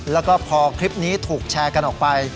แล้วก็พอคลิปนี้ถูกแชร์กันออกไป